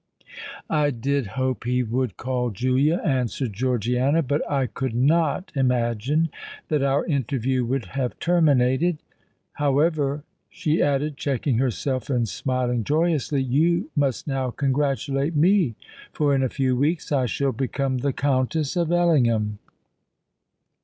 "I did hope he would call, Julia," answered Georgiana; "but I could not imagine that our interview would have terminated——However," she added, checking herself, and smiling joyously, "you must now congratulate me; for in a few weeks I shall become the Countess of Ellingham."